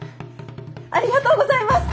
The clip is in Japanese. ありがとうございます！